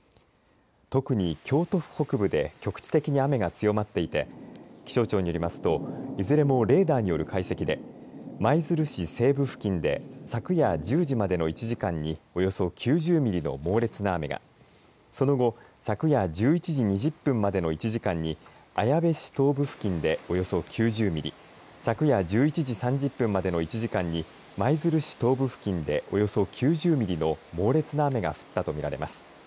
特に京都府北部で局地的に雨が強まっていて気象庁によりますといずれもレーダーによる解析で舞鶴市西部付近で昨夜１０時までの１時間におよそ９０ミリの猛烈な雨がその後、昨夜１１時２０分までの１時間に綾部市東部付近でおよそ９０ミリ昨夜１１時３０分までの１時間に舞鶴市東部付近でおよそ９０ミリの猛烈な雨が降ったと見られます。